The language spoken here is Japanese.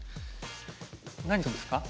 何するんですか？